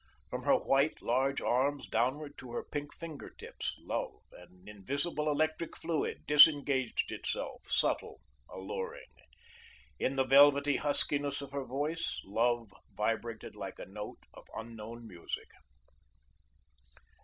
From her white, large arms downward to her pink finger tips Love, an invisible electric fluid, disengaged itself, subtle, alluring. In the velvety huskiness of her voice, Love vibrated like a note of unknown music.